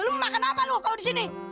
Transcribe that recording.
lo makan apa lo kalau disini